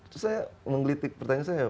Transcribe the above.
terus saya menggelitik pertanyaan saya